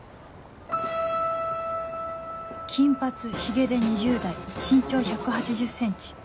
金髪ヒゲで２０代身長 １８０ｃｍ